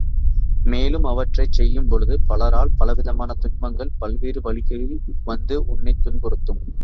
மேலும் அவற்றைச் செய்யும்பொழுது பலரால் பலவிதமான துன்பங்கள் பலவேறு வழிகளில் வந்து உன்னைத் துன்புறுத்தும்.